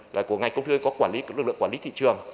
và của ngành công thư có quản lý các lực lượng quản lý thị trường